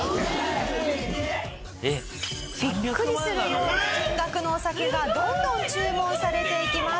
ビックリするような金額のお酒がどんどん注文されていきます。